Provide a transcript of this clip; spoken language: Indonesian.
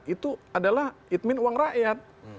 itu adalah itmin uang rakyat